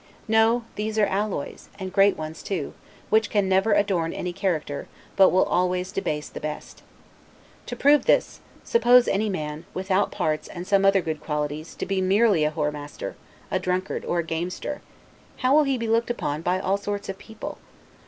No; these are alloys, and great ones too, which can never adorn any character, but will always debase the best. To prove this, suppose any man, without parts and some other good qualities, to be merely a whoremaster, a drunkard, or a gamester; how will he be looked upon by all sorts of people?